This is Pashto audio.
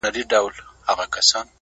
• زه ریشتیا په عقل کم یمه نادان وم ,